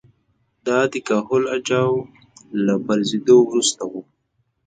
دا د کهول اجاو له پرځېدو وروسته وه